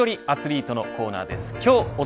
アツリートのコーナーです。